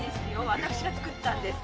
私が作ったんです。